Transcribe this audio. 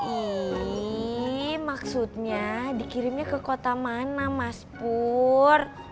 ini maksudnya dikirimnya ke kota mana mas pur